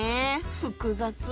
複雑。